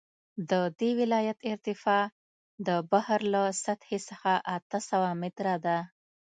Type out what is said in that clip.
د دې ولایت ارتفاع د بحر له سطحې څخه اته سوه متره ده